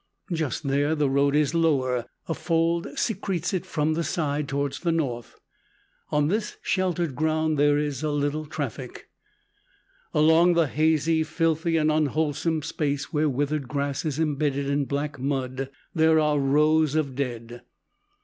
Just there the road is lower, a fold secretes it from the side towards the north. On this sheltered ground there is a little traffic. Along the hazy, filthy, and unwholesome space, where withered grass is embedded in black mud, there are rows of dead.